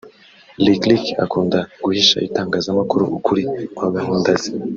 Lick Lick ukunda guhisha itangazamakuru ukuri kwa gahunda ze